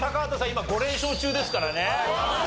今５連勝中ですからね。